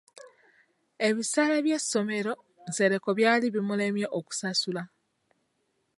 Ebisale by’essomero Nsereko byali bimulemye okusasula .